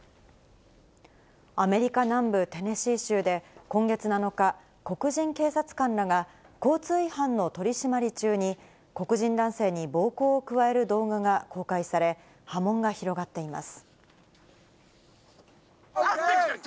アメリカ南部テネシー州で、今月７日、黒人警察官らが交通違反の取締り中に、黒人男性に暴行を加える動画が公開され、波紋が広がっています。